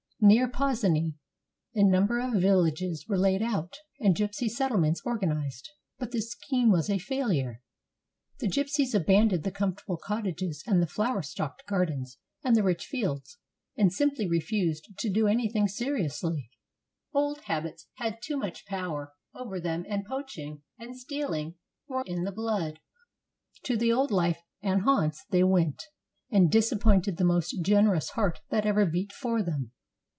Near Pozsony a number of villages were laid out, and gypsy settlements organized. But the scheme was a failure. The gypsies abandoned 402 STORIES OF THE GYPSIES the comfortable cottages and the flower stocked gar dens and the rich fields, and simply refused to do any thing seriously. Old habits had too much power over them, and poaching and stealing were in the blood. To the old life and haunts they went, and disappointed the most generous heart that ever beat for them.